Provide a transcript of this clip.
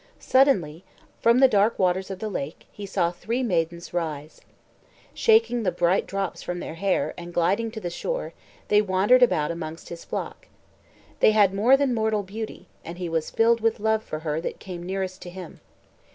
Suddenly, from the dark waters of the lake, he saw three maidens rise. Shaking the bright drops from their hair and gliding to the shore, they wandered about amongst his flock. They had more than mortal beauty, and he was filled with love for her that came nearest to him.